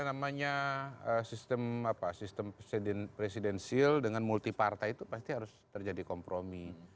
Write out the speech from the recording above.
yang namanya sistem presidensil dengan multi partai itu pasti harus terjadi kompromi